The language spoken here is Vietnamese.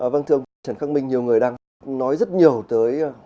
vâng thưa quý vị trần khắc minh nhiều người đang nói rất nhiều